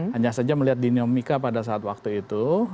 hanya saja melihat dinamika pada saat waktu itu